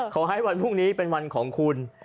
ขอให้วันพรุ่งนี้เป็นวันของคุณ